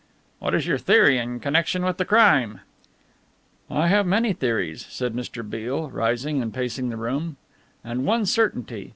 "What is your theory in connection with the crime?" "I have many theories," said Mr. Beale, rising and pacing the room, "and one certainty.